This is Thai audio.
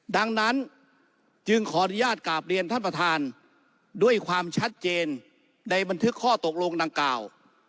ดังนั้นจึงขออนุญาตกราบเรียนท่านประธานด้วยความชัดเจนในบันทึกข้อตกลงดังกล่าว